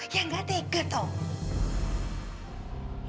ya nggak tega toh